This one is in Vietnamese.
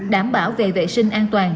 đảm bảo về vệ sinh an toàn